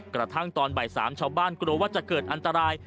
กระทั่งตอนบ่าย๓ชาวบ้านกลัวว่าจะเกิดอันตราย